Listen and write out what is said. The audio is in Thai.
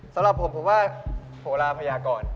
สำหรับผมผมว่าโหลาพญากร